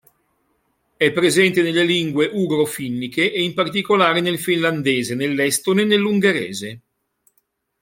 È presente nelle lingue ugro-finniche, e in particolare nel finlandese, nell'estone e nell'ungherese.